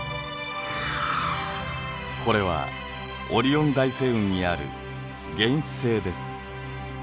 これはオリオン大星雲にある原始星です。